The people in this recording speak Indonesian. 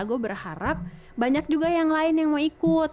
gue berharap banyak juga yang lain yang mau ikut